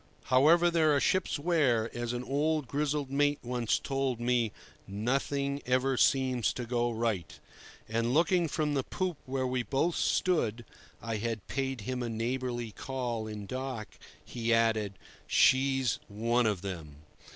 However, there are ships where, as an old grizzled mate once told me, "nothing ever seems to go right!" And, looking from the poop where we both stood (I had paid him a neighbourly call in dock), he added: "She's one of them."